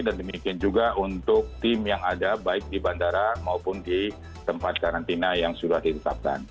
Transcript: dan demikian juga untuk tim yang ada baik di bandara maupun di tempat karantina yang sudah ditetapkan